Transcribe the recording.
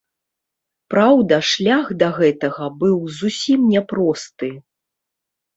Праўда, шлях да гэтага быў зусім няпросты.